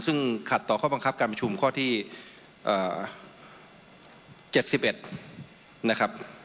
ซึ่งขัดต่อข้อบังคับการประชุมข้อที่เอ่อเจ็ดสิบเอ็ดนะครับ